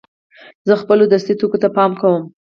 زه خپلو درسي توکو ته پام کوم.